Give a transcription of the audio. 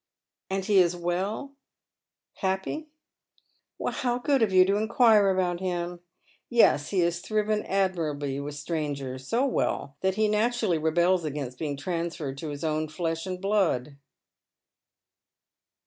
" And he is well — happy ?"" How good of you to inquire about him ! Yes, he has thriven ^mirably with strangers. So well that he naturally rebels against being transferred to his own flesh and blood."